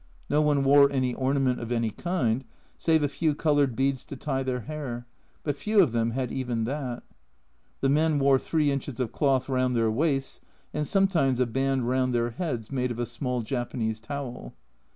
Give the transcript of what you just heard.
No one wore any ornament of any kind, save a few coloured beads to tie their hair, but few of them had even that. The men wore 3 inches of cloth round their waists and sometimes a band round their heads made of a small Japanese towel.